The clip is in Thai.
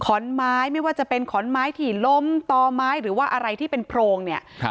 ขอนไม้ไม่ว่าจะเป็นขอนไม้ถี่ล้มต่อไม้หรือว่าอะไรที่เป็นโพรงเนี่ยครับ